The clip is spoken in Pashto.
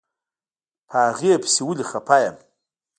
په هغې پسې ولې خپه يم.